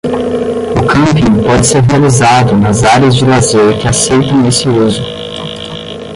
O camping pode ser realizado nas áreas de lazer que aceitam esse uso.